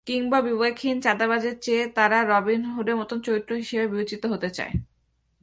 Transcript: কিংবা বিবেকহীন চাঁদাবাজের চেয়ে তারা রবিন হুডের মতো চরিত্র হিসেবে বিবেচিত হতে চায়।